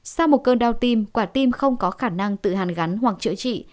sau một cơn đau tim quả tim không có khả năng tự hàn gắn hoặc chữa trị